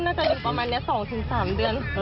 น่าจะอยู่ประมาณนี้๒๓เดือน